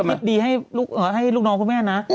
เขายังคิดดีให้ลูกน้องคุณแม่นะ